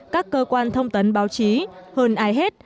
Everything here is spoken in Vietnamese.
các cơ quan thông tấn báo chí hơn ai hết